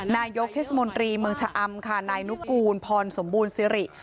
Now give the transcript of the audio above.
นายกเทศมนตรีเมืองชะอำค่ะนายนุกูลพรสมบูรณสิริ